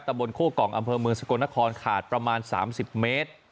ตะบนโค้กองอำเภอเมืองสกลนครขาดประมาณสามสิบเมตร